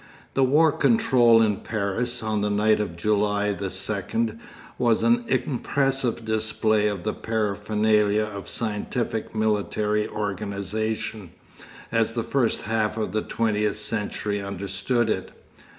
The War Control in Paris, on the night of July the second, was an impressive display of the paraphernalia of scientific military organisation, as the first half of the twentieth century understood it.